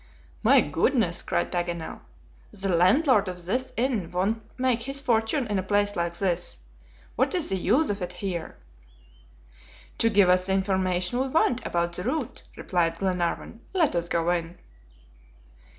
"My goodness!" cried Paganel, "the landlord of this inn won't make his fortune in a place like this. What is the use of it here?" "To give us the information we want about the route," replied Glenarvan. "Let us go in."